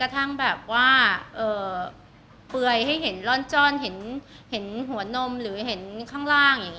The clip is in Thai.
ทั้งแบบว่าปล่อยให้เห็นล่อนจ้อนหัวนมหรือเห็นข้างล่างแบบนี้